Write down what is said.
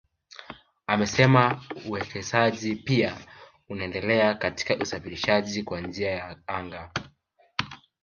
Amesema uwekezaji pia unaendelea katika usafirishaji kwa njia ya anga